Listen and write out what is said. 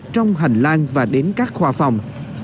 trong hành lang và đến các khoa phòng